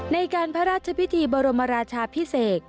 ในการพระราชพิธีบรมราชาพิเศษ